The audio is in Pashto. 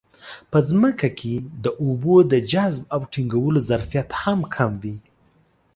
په ځمکه کې د اوبو د جذب او ټینګولو ظرفیت هم کم وي.